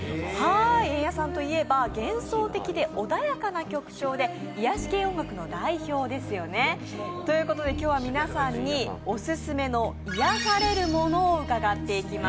エンヤさんといえば幻想的で穏やかな曲調で癒やし系音楽の代表ですよね。ということで、今日は皆さんにオススメの癒やされるものを伺っていきます。